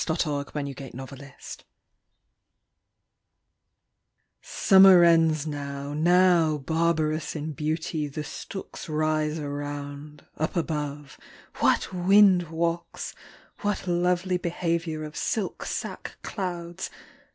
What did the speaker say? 14 Hurrahing in Harvest SUMMER ends now; now, barbarous in beauty, the stooks rise Around; up above, what wind walks! what lovely behaviour Of silk sack clouds!